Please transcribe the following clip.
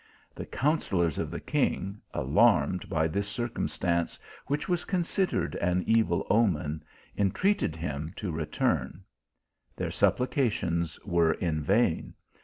The coun sellors of the king, alarmed by this circumstance, which was considered an evil omen, entreated him to return Their supplications were in vain.